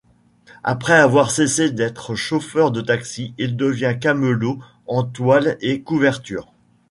Après avoir cessé d'être chauffeur de taxi, il devient camelot en toiles et couvertures.